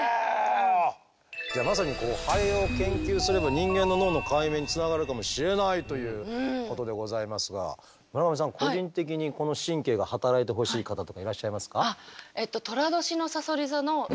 じゃあまさにハエを研究すれば人間の脳の解明につながるかもしれないということでございますが村上さん個人的にこの神経が働いてほしい方とかいらっしゃいますか？